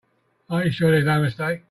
Are you sure there's no mistake?